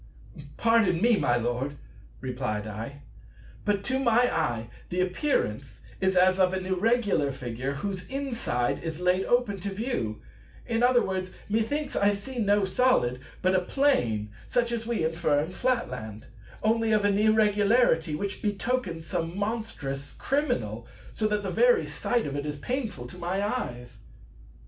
"Pardon me, my Lord," replied I; "but to my eye the appearance is as of an Irregular Figure whose inside is laid open to view; in other words, methinks I see no Solid, but a Plane such as we infer in Flatland; only of an Irregularity which betokens some monstrous criminal, so that the very sight of it is painful to my eyes."